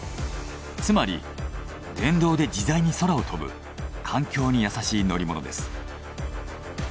つまり電動で自在に空を飛ぶ環境に優しい乗り物です。